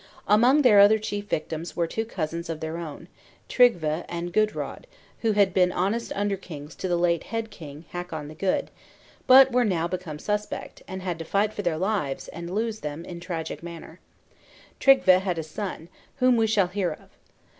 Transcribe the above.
Among their other chief victims were two cousins of their own, Tryggve and Gudrod, who had been honest under kings to the late head king, Hakon the Good; but were now become suspect, and had to fight for their lives, and lose them in a tragic manner. Tryggve had a son, whom we shall hear of.